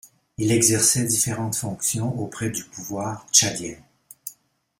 Il exerçait différentes fonctions auprès du pouvoir tchadien.